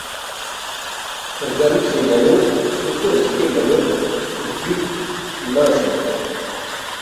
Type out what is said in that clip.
رگالوکھسی نایو چھوسکوری سکل لا یود بیوک لنگسے نہ